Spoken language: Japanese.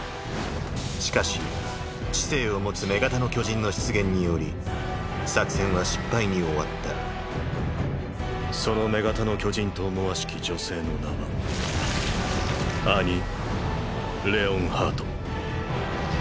しかし知性を持つ「女型の巨人」の出現により作戦は失敗に終わったその女型の巨人と思わしき女性の名はアニ・レオンハート。